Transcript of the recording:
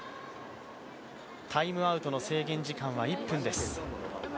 タイムアウトの制限時間は１分です